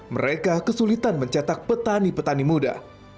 mereka kesulitan mencetak petani petani muda